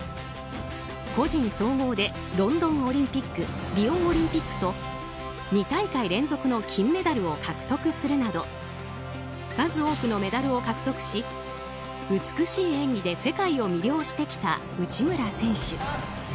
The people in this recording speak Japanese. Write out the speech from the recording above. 個人総合でロンドンオリンピックリオオリンピックと２大会連続の金メダルを獲得するなど数多くのメダルを獲得し美しい演技で世界を魅了してきた内村選手。